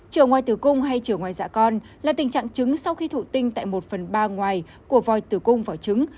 chữa ngoài từ cung hay chữa ngoài dạ con là tình trạng trứng sau khi thụ tinh tại một phần ba ngoài của voi từ cung vào trứng